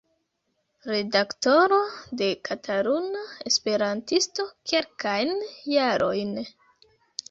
Redaktoro de Kataluna Esperantisto kelkajn jarojn.